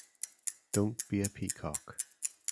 Don't be a peacock.